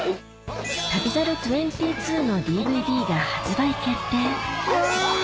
『旅猿２２』のＤＶＤが発売決定うぅ！